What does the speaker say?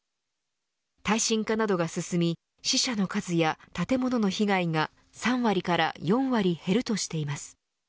耐震化などが進み死者の数や建物の被害が３割から４割減るとしています。